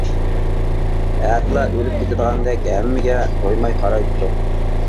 ئەتىلا ئۆلۈپ كېتىدىغاندەك ھەممىگە تويماي قارايتتۇق.